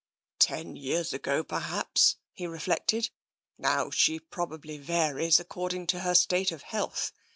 " Ten years ago, perhaps," he reflected. " Now she probably varies according to her state of health.